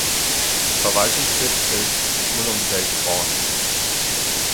Verwaltungssitz ist Muluncay Grande.